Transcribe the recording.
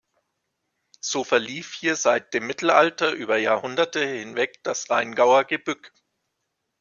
So verlief hier seit dem Mittelalter über Jahrhunderte hinweg das Rheingauer Gebück.